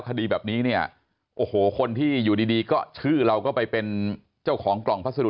คดีแบบนี้เนี่ยโอ้โหคนที่อยู่ดีดีก็ชื่อเราก็ไปเป็นเจ้าของกล่องพัสดุ